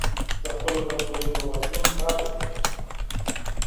د خپلو کمزوریو په بدلون کار وکړئ.